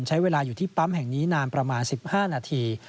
ใช้เวลาอยู่ที่ปั๊มแห่งนี้นานประมาณ๑๕นาที